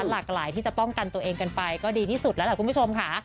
หลากหลายที่จะป้องกันตัวเองกันไปก็ดีที่สุดแล้วล่ะคุณผู้ชมค่ะ